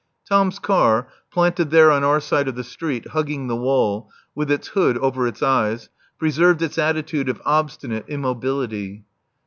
Tom's car, planted there on our side of the street, hugging the wall, with its hood over its eyes, preserved its attitude of obstinate immobility.